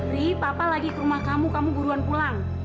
riri papa lagi ke rumah kamu kamu buruan pulang